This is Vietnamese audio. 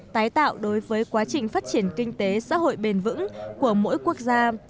tái tạo đối với quá trình phát triển kinh tế xã hội bền vững của mỗi quốc gia